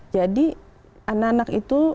jadi anak anak itu